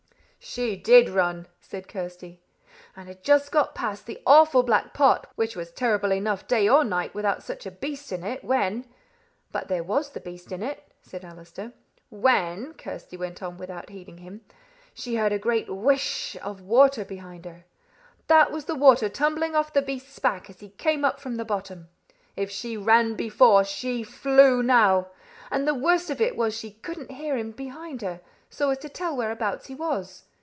"She did run," said Kirsty, "and had just got past the awful black pot, which was terrible enough day or night without such a beast in it, when " "But there was the beast in it," said Allister. "When," Kirsty went on without heeding him, "she heard a great whish of water behind her. That was the water tumbling off the beast's back as he came up from the bottom. If she ran before, she flew now. And the worst of it was that she couldn't hear him behind her, so as to tell whereabouts he was.